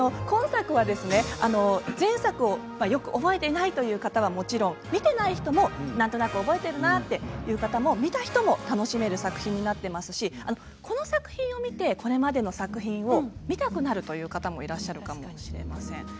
今作は、前作をよく覚えていないという方はもちろん見ていない人もなんとなく覚えているなという方も、見た人も楽しめる作品になっていますしこの作品を見てこれまでの作品も見たくなるという方もいらっしゃるかもしれません。